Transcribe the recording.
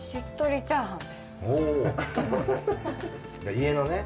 家のね。